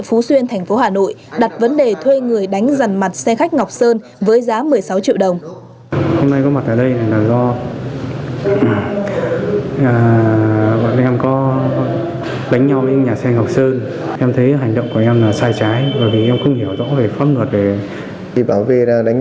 phụ xe khách ngọc sơn